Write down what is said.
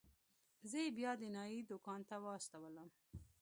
زه يې بيا د نايي دوکان ته واستولم.